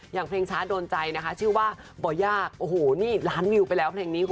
อย่างเพลงช้า